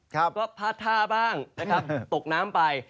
ก็พาดท่าบ้างตกน้ำไป